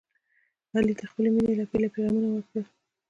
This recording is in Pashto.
علي ته یې خپلې مینې لپې لپې غمونه ورکړل.